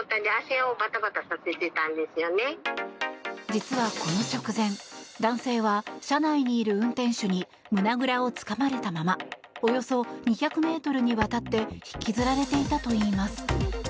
実は、この直前男性は車内にいる運転手に胸ぐらをつかまれたままおよそ２００ｍにわたって引きずられていたといいます。